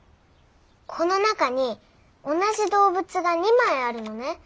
この中に同じ動物が２枚あるのね。